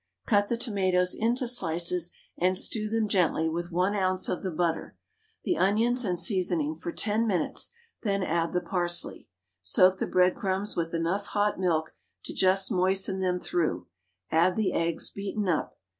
Cut the tomatoes into slices, and stew them gently with 1 oz. of the butter, the onions and seasoning for 10 minutes, then add the parsley. Soak the breadcrumbs with enough hot milk to just moisten them through, add the eggs beaten up.